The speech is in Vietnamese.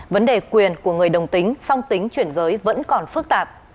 vấn đề quyền của người đồng tính song tính chuyển giới vẫn còn phức tạp